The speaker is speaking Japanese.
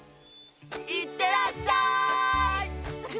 いってらっしゃい！